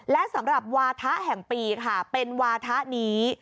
และสำหรับวาถะแห่งปีค่ะเป็นวาถะนี้